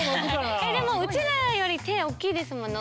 でもうちらより手おっきいですもんね。